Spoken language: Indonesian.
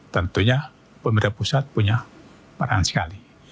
tentunya pemerintah pusat punya peran sekali